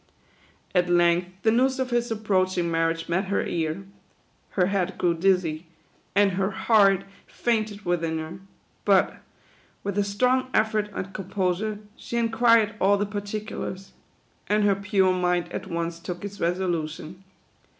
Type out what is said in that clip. At length the news of his approaching marriage met her ear. Her head grew dizzy, and her heart 6* 66 THE QUADROONS. fainted within her ; but, with a strong effort at com posure, she inquired all the particulars ; and her pure mind at once took its resolution.